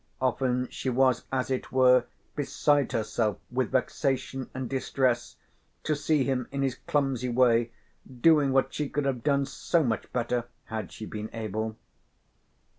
Often she was as it were beside herself with vexation and distress to see him in his clumsy way doing what she could have done so much better had she been able.